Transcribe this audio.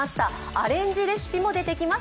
アレンジレシピも出てきます。